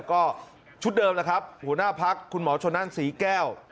ก็ชุดเดิมนะครับหัวหน้าพักคุณหมอชนนั่นศรีแก้ว